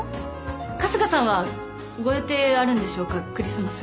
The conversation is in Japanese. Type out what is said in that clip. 春日さんはご予定あるんでしょうかクリスマス。